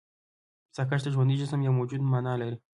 ساکښ د ژوندي جسم يا موجود مانا لري.